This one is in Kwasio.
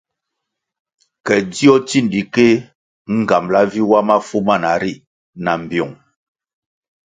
Ke dzio tsindikéh nğambala vi wa mafu mana ri na mbpiung.